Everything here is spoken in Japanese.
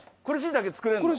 これしいたけ。